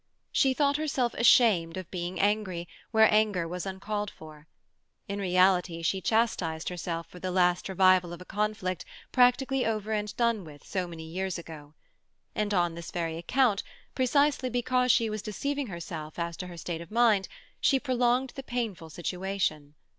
She thought herself ashamed of being angry where anger was uncalled for; in reality, she chastised herself for the last revival of a conflict practically over and done with so many years ago. And on this very account, precisely because she was deceiving herself as to her state of mind, she prolonged the painful situation.